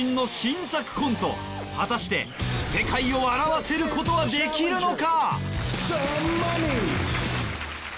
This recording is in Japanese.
果たして世界を笑わせることはできるのか？